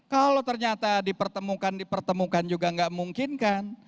kalau ternyata dipertemukan dipertemukan juga tidak memungkinkan